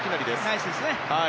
ナイスですね。